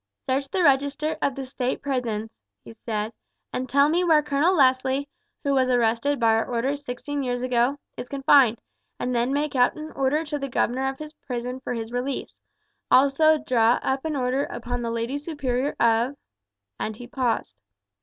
"Search the register of the state prisons," he said, "and tell me where Colonel Leslie, who was arrested by our orders sixteen years ago, is confined, and then make out an order to the governor of his prison for his release; also draw up an order upon the lady superior of ," and he paused.